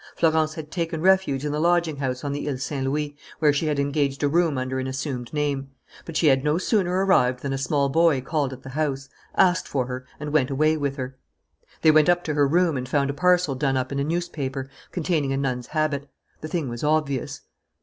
Florence had taken refuge in the lodging house on the Ile Saint Louis, where she had engaged a room under an assumed name. But she had no sooner arrived than a small boy called at the house, asked for her, and went away with her. They went up to her room and found a parcel done up in a newspaper, containing a nun's habit. The thing was obvious.